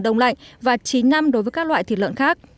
đồng lạnh và chín năm đối với các loại thịt lợn khác